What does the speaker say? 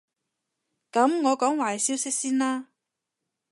噉我講壞消息先啦